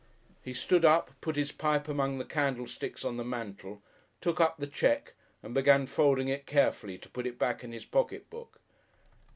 He stood up, put his pipe among the candlesticks on the mantel, took up the cheque and began folding it carefully to put it back in his pocket book.